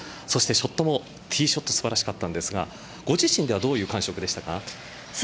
ショットもティーショット素晴らしかったんですがご自身ではどういう感触でしたか？